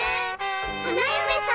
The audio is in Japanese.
花嫁さん。